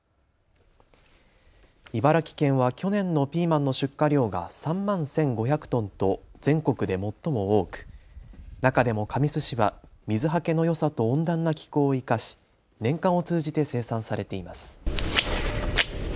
茨城県は去年のピーマンの出荷量が３万１５００トンと全国で最も多く、中でも神栖市は水はけのよさと温暖な気候を生かし年間を通じて生産されています。